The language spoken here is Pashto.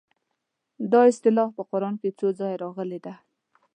دا اصطلاح په قران کې څو ځایه راغلې ده.